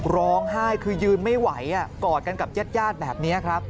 ร้องไห้คือยืนไม่ไหวกอดกันกับญาติญาติแบบนี้ครับ